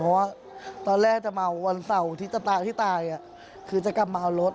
เพราะว่าตอนแรกจะมาวันเสาร์ที่จะตายที่ตายคือจะกลับมาเอารถ